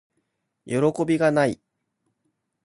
よろこびがない～